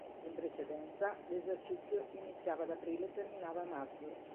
In precedenza, l'esercizio iniziava ad aprile e terminava a marzo.